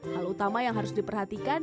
hal utama yang harus diperhatikan